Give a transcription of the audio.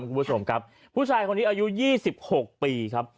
คุณผู้ชมครับผู้ชายคนนี้อายุ๒๖ปีครับ